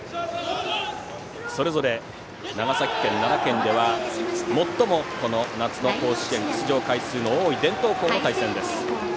それぞれ長崎県、奈良県では最も夏の甲子園出場回数の多い伝統校の対戦です。